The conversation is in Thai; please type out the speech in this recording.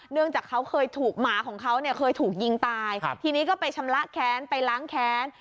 เนื่องจากเขาเคยถูกหมาของเขาเนี่ยเคยถูกยิงตายทีนี้ก็ไปชำระแค้นไปล้างแค้น